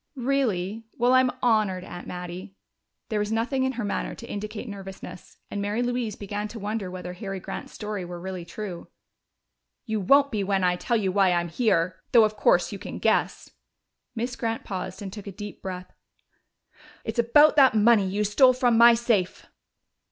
"Really? Well, I am honored, Aunt Mattie." There was nothing in her manner to indicate nervousness, and Mary Louise began to wonder whether Harry Grant's story were really true. "You won't be when I tell you why I'm here! Though of course you can guess." Miss Grant paused and took a deep breath. "It's about that money you stole from my safe!"